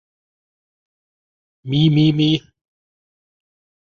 Mimimi.